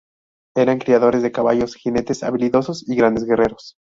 Eran criadores de caballos, jinetes habilidosos y grandes guerreros.